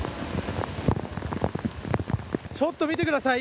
ちょっと見てください。